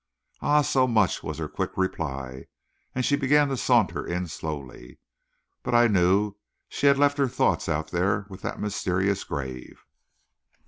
"Ah, so much!" was her quick reply, and she began to saunter in slowly. But I knew she left her thoughts out there with that mysterious grave.